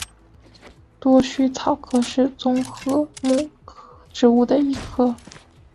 多须草科是棕榈目植物的一科。